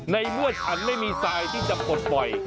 ในเมื่อฉันไม่มีทรายที่จะปลดปล่อย